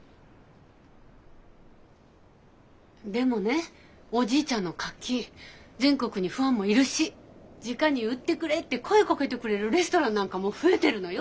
でもねおじいちゃんのカキ全国にファンもいるしじかに売ってくれって声かけてくれるレストランなんかも増えてるのよ。